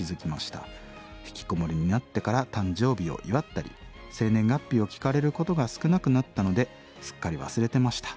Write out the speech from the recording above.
ひきこもりになってから誕生日を祝ったり生年月日を聞かれることが少なくなったのですっかり忘れてました。